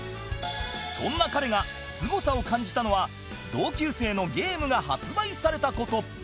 そんな彼がすごさを感じたのは同級生のゲームが発売された事